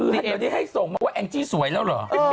ตอนนี้ดูให้ส่งและแอนกจิที่สวยแล้วหรอ